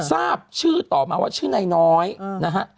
ทราบชื่อต่อมาว่าชื่อนายน้อยนะฮะ